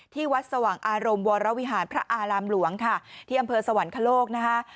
ที่วัดสว่างอารมณ์วรวิหารพระอารามหลวงค่ะที่อำเภอสวรรคโลกนะคะ